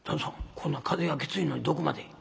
こんな風がきついのにどこまで？」。